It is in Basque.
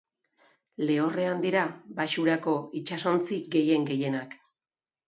Lehorrean dira baxurako itsasontzi gehien gehienak.